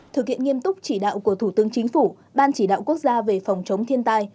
thực hiện nghiêm túc chỉ đạo của thủ tướng chính phủ ban chỉ đạo quốc gia về phòng chống thiên tai